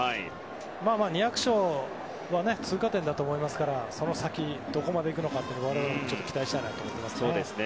２００勝は通過点だと思いますからその先、どこまで行くのか期待したいなと思います。